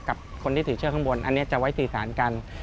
กับคนที่ถือเชือกข้างบนอันนี้จะไว้สื่อสารกัน